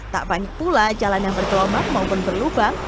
tak banyak pula jalan yang bergelombang maupun berlubang